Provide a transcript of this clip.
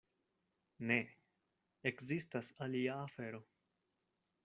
Ne: ekzistas alia afero.